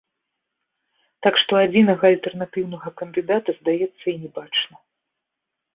Так што адзінага альтэрнатыўнага кандыдата, здаецца, і не бачна.